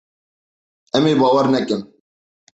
Em ê bawer nekin.